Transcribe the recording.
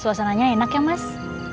suasana nya enak ya mas